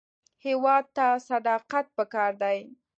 هېواد ته صداقت پکار دی